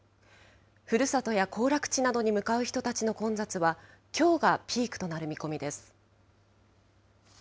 ふるさとや行楽地などに向かう人たちの混雑は、きょうがピークとなる見込みです。